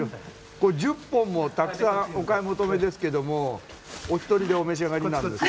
１０本もたくさんお買い求めですけどもお一人でお召し上がりになるんです？